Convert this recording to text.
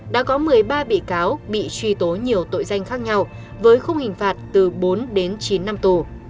đã có một mươi ba bị cáo bị truy tố nhiều tội danh khác nhau với khung hình phạt từ bốn đến chín năm tù